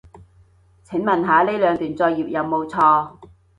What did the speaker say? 請問下呢兩段作業有冇錯